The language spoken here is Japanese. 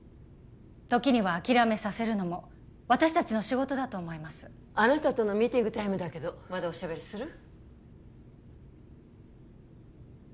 時には諦めさせるのも私達の仕事だと思いますあなたとのミーティングタイムだけどまだおしゃべりする？